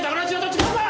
違うか！？